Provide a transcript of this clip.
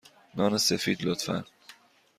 نان سفید، لطفا.